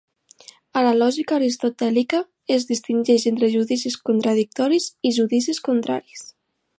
A la lògica aristotèlica, es distingeix entre judicis contradictoris i judicis contraris.